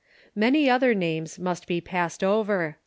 Many otlier names must be passed over.